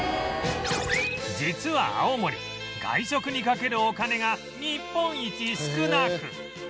実は青森外食にかけるお金が日本一少なく